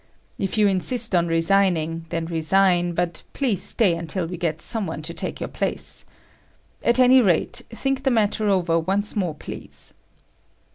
If you insist on resigning, then resign, but please stay until we get some one to take your place. At any rate, think the matter over once more, please."